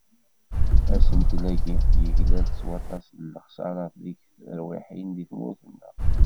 Asentel-agi, yegla-d s waṭas n lexsarat deg terwiḥin di tmurt-nneɣ.